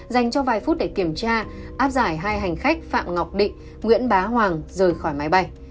dành cho vài phút để kiểm tra áp giải hai hành khách phạm ngọc định nguyễn bá hoàng rời khỏi máy bay